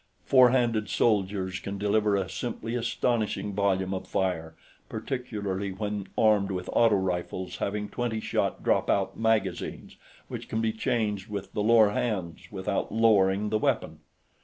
Four handed soldiers can deliver a simply astonishing volume of fire, particularly when armed with auto rifles having twenty shot drop out magazines which can be changed with the lower hands without lowering the weapon.